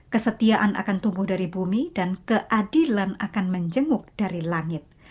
kesetiaan akan tumbuh dari bumi dan keadilan akan menjenguk dari langit